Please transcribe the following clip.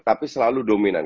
tapi selalu dominan